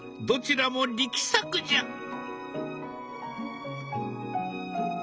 どちらも力作じゃ！